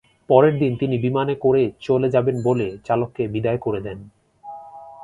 পরের দিন তিনি বিমানে করে চলে যাবেন বলে চালককে বিদায় করে দেন।